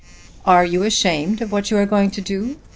"Are you ashamed of what you are going to do?"